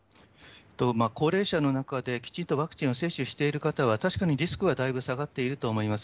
高齢者の中できちんとワクチンを接種している方は、確かにリスクはだいぶ下がっていると思います。